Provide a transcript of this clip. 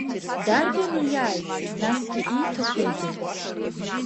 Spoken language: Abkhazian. Дарбану иааиз, насгьы ииҭахузеи?